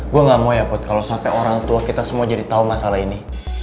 gue gak mau ya put kalau sampai orang tua kita semua jadi tahu masalah ini